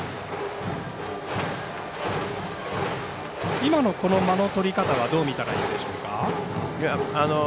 今の間の取り方はどう見たらいいんでしょうか？